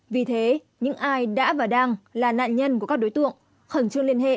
vì thế những ai đã và đang là nạn nhân của các đối tượng khẩn trương liên hệ